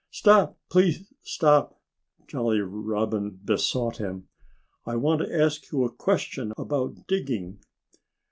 "Stop! Please stop!" Jolly Robin besought him. "I want to ask you a question about digging."